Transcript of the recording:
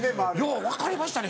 ようわかりましたね